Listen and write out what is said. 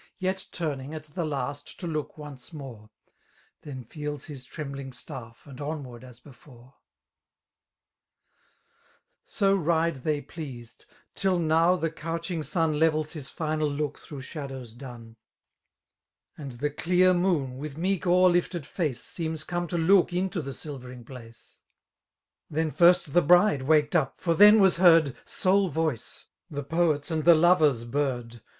Yet turning, at the laeti to look once more; Then feels his treml^ng^ffft andtmward as before/ So ride they pleased, — tiU now the couching snn I^evek his final look through shadows dun; * And the dear moon, with meek o'er lifted iieuse. Seems come to look into the silvering place. Then first the bride waked up, for then was heard. Sole voke, Uie poet's and the lover's bird.